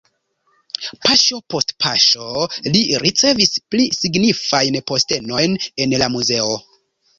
Paŝo post paŝo li ricevis pli signifajn postenojn en la muzeo.